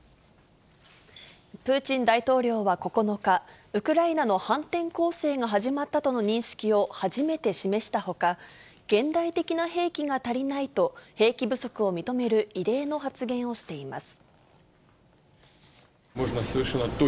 プーチン大統領は９日、ウクライナの反転攻勢が始まったとの認識を初めて示したほか、現代的な兵器が足りないと、兵器不足を認める異例の発言をしています。